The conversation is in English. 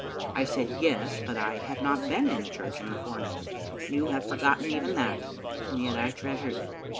I said *Yes,' but I had not been in the church in the forenoon. You have for gotten even that, and yet I treasured it."